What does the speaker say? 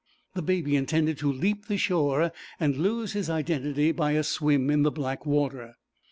The Baby intended to leap the shore and lose his identity by a swim in the black water.